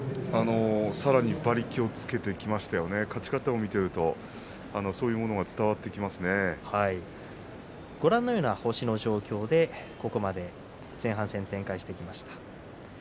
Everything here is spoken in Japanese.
さらに馬力をつけてきましたよね、勝ち方を見ているとご覧のような星の状況でここまで前半戦展開してきました。